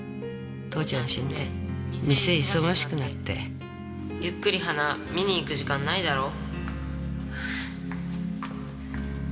父ちゃん死んで店忙しくなってゆっくり花見に行く時間ないだろ？